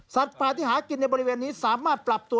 ป่าที่หากินในบริเวณนี้สามารถปรับตัว